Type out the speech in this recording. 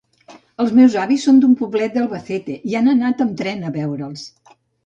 Els meus avis són d'un poblet d'Albacete i han anat amb tren a veure'ls.